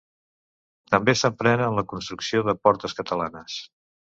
També s'empren en la construcció de portes catalanes.